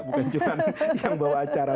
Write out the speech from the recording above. bukan cuma yang bawa acara